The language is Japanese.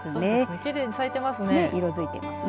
きれいに咲いてますね。